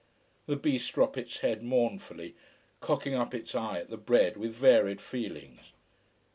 The beast dropped its head mournfully, cocking up its eye at the bread with varied feelings.